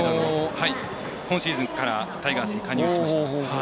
今シーズンからタイガースに加入しました。